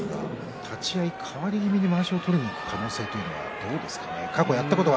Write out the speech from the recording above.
立ち合い、変わり気味にまわしを取りにいく可能性はどうでしょうか？